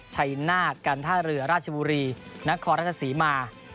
ชัยนาฏการท่าเรือราชบุรีนครราชศรีมา